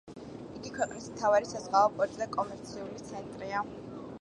იგი ქვეყნის მთავარი საზღვაო პორტი და კომერციული ცენტრია.